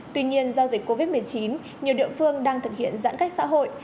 tuy nhiên do dịch covid một mươi chín nhiều địa phương đang thực hiện giãn cách xã hội